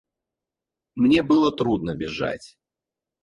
Мне было трудно бежать.